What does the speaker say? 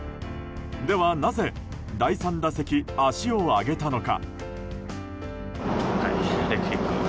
ではなぜ、第３打席足を上げたのか？